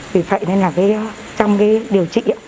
vì vậy nên là trong cái điều trị